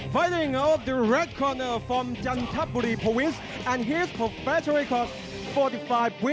ให้พบกันด้วยครับและรับความยินดี